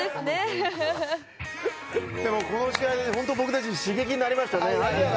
でも、この試合は僕たちの刺激になりましたね。